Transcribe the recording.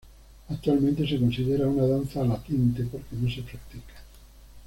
Actualmente se considera una danza latente, porque no se practica.